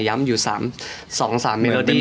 ย้ำอยู่๒๓มิลตี้